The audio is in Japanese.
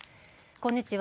こんにちは。